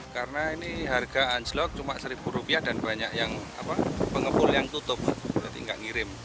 karena ini harga anjlok cuma rp satu dan banyak yang pengepul yang tutup berarti tidak ngirim